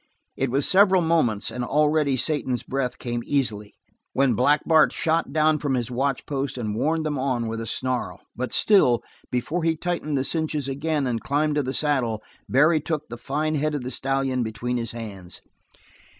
It was several moments, and already Satan's breath came easily, when Black Bart shot down from his watch post and warned them on with a snarl, but still, before he tightened the cinches again and climbed to the saddle Barry took the fine head of the stallion between his hands.